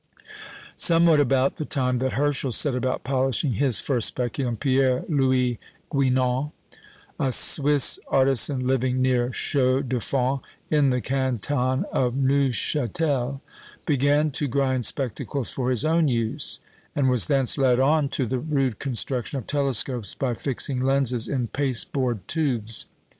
Somewhat about the time that Herschel set about polishing his first speculum, Pierre Louis Guinand, a Swiss artisan, living near Chaux de Fonds, in the canton of Neuchâtel, began to grind spectacles for his own use, and was thence led on to the rude construction of telescopes by fixing lenses in pasteboard tubes.